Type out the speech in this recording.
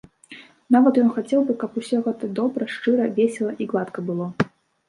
Нават ён хацеў бы, каб усё гэтак добра, шчыра, весела і гладка было.